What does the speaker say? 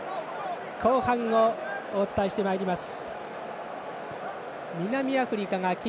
後半をお伝えしてまいります。